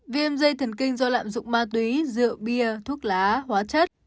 viêm da thần kinh do lạm dụng ma túy rượu bia thuốc lá hóa chất